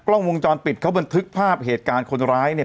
กล้องวงจรปิดเขาบันทึกภาพเหตุการณ์คนร้ายเนี่ย